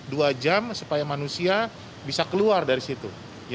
dua jam supaya manusia bisa keluar dari situ